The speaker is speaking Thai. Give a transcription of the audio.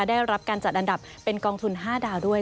ได้รับการจัดอันดับเป็นกองทุน๕ดาวด้วย